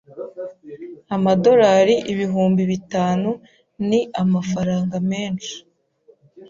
Amadolari ibihumbi bitanu ni amafaranga menshi.